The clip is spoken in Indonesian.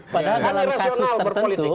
padahal dalam kasus tertentu kami berpolitik